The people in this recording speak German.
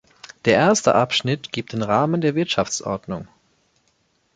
Der erste Abschnitt gibt den Rahmen der Wirtschaftsordnung.